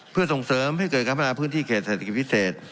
เพื่อส่งเสริมให้เกิดการพัฒนาพื้นที่เขตเศรษฐกิจพิเศษ